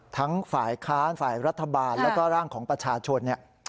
ทั้งฝ่ายค้านฝ่ายรัฐบาลแล้วก็ร่างของประชาชนเนี่ย